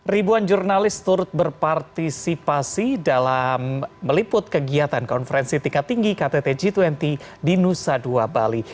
ribuan jurnalis turut berpartisipasi dalam meliput kegiatan konferensi tingkat tinggi ktt g dua puluh di nusa dua bali